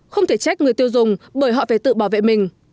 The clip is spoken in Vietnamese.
không thể trách người tiêu dùng bởi họ phải tự bảo vệ mình